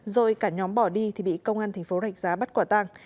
rồi cả nhóm bỏ đi thì bị công an tp rạch giá bắt quả tàng